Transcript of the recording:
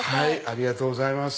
ありがとうございます。